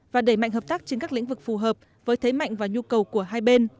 và đẩy mạnh hợp tác trên các lĩnh vực phù hợp với thế mạnh và nhu cầu của hai bên